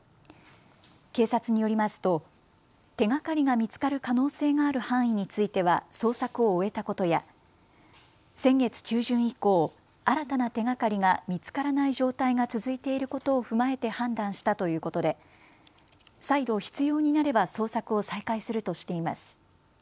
警察によりますと手がかりが見つかる可能性がある範囲については捜索を終えたことや先月中旬以降、新たな手がかりが見つからない状態が続いていることを踏まえて判断したということで再度、必要になれば捜索を再開するとしています。